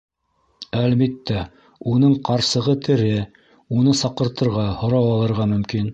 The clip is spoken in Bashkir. Әлбиттә, уның ҡарсығы тере, уны саҡыртырға, һорау алырға мөмкин.